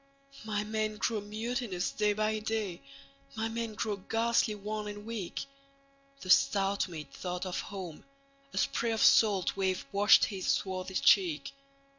'""My men grow mutinous day by day; My men grow ghastly wan and weak."The stout mate thought of home; a sprayOf salt wave washed his swarthy cheek.